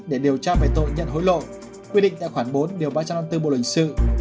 để điều tra về tội nhận hối lộ quy định tại khoản bốn điều ba trăm năm mươi bốn bộ luật sự